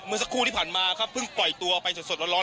เมื่อสักครู่ที่ผ่านมาครับเพิ่งปล่อยตัวไปสดร้อน